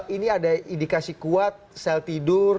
ini ada indikasi kuat sel tidur